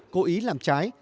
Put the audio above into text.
cố ý làm trái